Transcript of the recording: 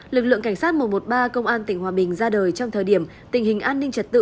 lực lượng cảnh sát một trăm một mươi ba công an tỉnh hòa bình ra đời trong thời điểm tình hình an ninh trật tự